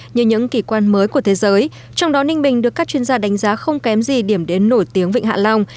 như những kỳ quan mới của thế giới trong đó ninh bình được các chuyên gia đánh giá không kém gì điểm đến nổi tiếng vịnh hạ long